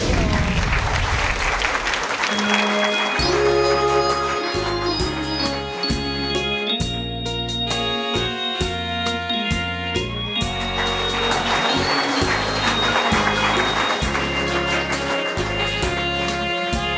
ขอโชคดีครับ